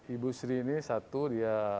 ibu sri ini satu dia